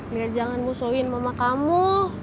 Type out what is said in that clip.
biar jangan musuhin mama kamu